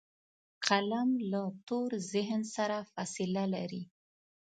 قلم له تور ذهن سره فاصله لري